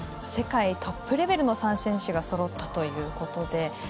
世界トップレベルの３選手がそろったということで。